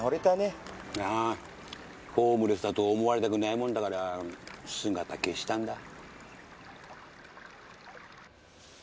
ホームレスだと思われたくないもんだから姿消したんだ。